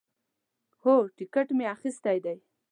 هو، ټیکټ می اخیستی دی